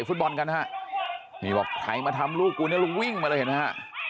พูดบอลกันหน้านี่หวังไคมาทำลูกคุณนี่ลุงวิ่งไปเลยวะ